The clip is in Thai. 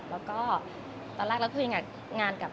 แล้วก็ตอนแรกเราคุยงานกับ